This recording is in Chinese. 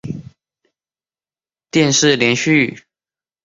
朝日电视台周五晚间九点连续剧系列播出的电视连续剧档次。